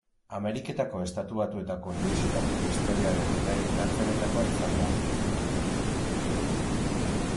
Ameriketako Estatu Batuetako unibertsitateko historiaren unerik latzenetakoa izan da.